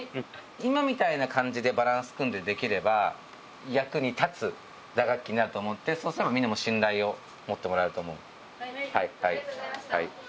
今みたいな感じでバランス組んでできれば、役に立つ打楽器になると思って、そうすればみんなも信頼を持ってもらえると思う。